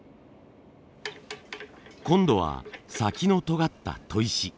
今度は先のとがった砥石。